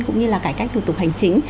cũng như là cải cách đủ tục hành chính